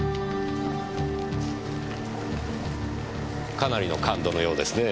かなりの感度のようですねぇ。